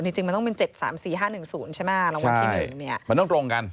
จริงจริงมันต้องเป็นเจ็ดสามสี่ห้าหนึ่งศูนย์ใช่ไหมใช่รางวัลทีหนึ่งเนี้ยมันต้องตรงกัน